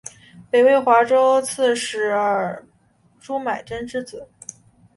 北魏华州刺史尔朱买珍之子。